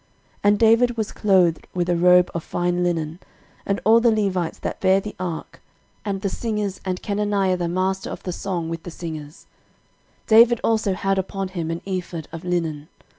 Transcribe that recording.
13:015:027 And David was clothed with a robe of fine linen, and all the Levites that bare the ark, and the singers, and Chenaniah the master of the song with the singers: David also had upon him an ephod of linen.